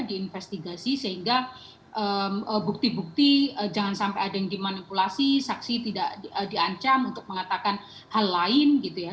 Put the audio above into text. diinvestigasi sehingga bukti bukti jangan sampai ada yang dimanipulasi saksi tidak diancam untuk mengatakan hal lain gitu ya